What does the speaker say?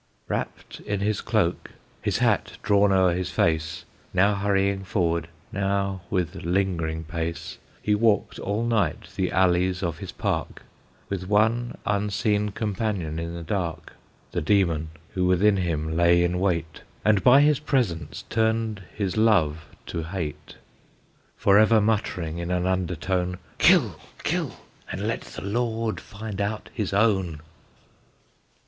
Wrapped in his cloak, his hat drawn o'er his face, Now hurrying forward, now with lingering pace, He walked all night the alleys of his park, With one unseen companion in the dark, The Demon who within him lay in wait, And by his presence turned his love to hate, Forever muttering in an undertone, "Kill! kill! and let the Lord find out his own!"